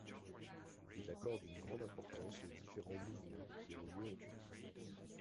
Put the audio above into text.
Il accorde une grande importance aux différents mouvements qui ont lieu en Turquie.